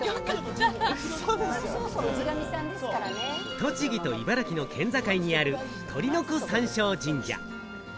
栃木と茨城の県境にある鷲子山上神社。